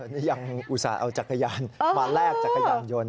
นี่ยังอุตส่าห์เอาจักรยานมาแลกจักรยานยนต์